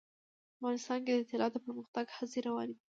افغانستان کې د طلا د پرمختګ هڅې روانې دي.